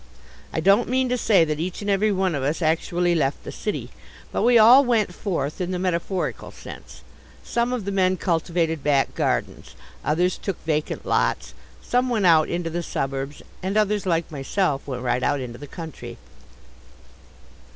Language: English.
I don't mean to say that each and every one of us actually left the city. But we all "went forth" in the metaphorical sense. Some of the men cultivated back gardens; others took vacant lots; some went out into the suburbs; and others, like myself, went right out into the country.